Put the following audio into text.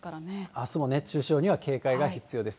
あすも熱中症には警戒が必要です。